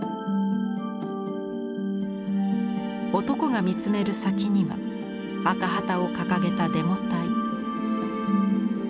男が見つめる先には赤旗を掲げたデモ隊。